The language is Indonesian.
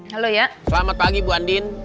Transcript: halo ya selamat pagi bu andin